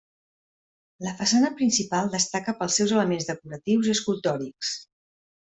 La façana principal destaca pels seus elements decoratius i escultòrics.